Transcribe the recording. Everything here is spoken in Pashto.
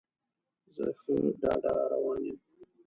زه ښه ډاډه روان یم.